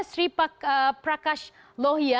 sri prakash lohia